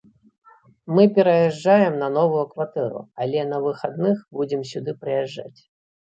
Мы пераязджаем на новую кватэру, але на выхадных будзем сюды прыязджаць.